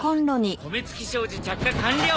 米月商事着火完了！